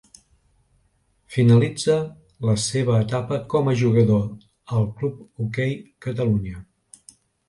Finalitza la seva etapa com a jugador al Club Hoquei Catalunya.